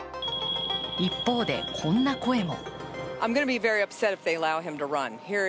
一方で、こんな声も。